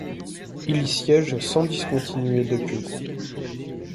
Il y siège sans discontinuer depuis.